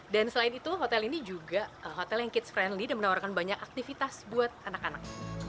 dan selain itu hotel ini juga hotel yang kids friendly dan menawarkan banyak aktivitas buat anak anak